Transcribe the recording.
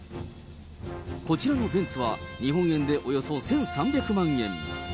こちらのベンツは日本円でおよそ１３００万円。